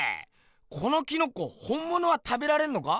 このキノコ本ものは食べられんのか？